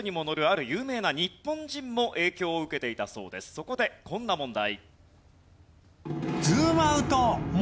そこでこんな問題。